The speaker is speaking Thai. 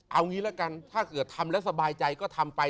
เอางี้ละกันถ้าเกิดทำแล้วสบายใจก็ทำไป